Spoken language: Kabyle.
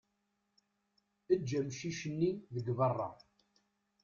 Eǧǧ amcic-nni deg berra.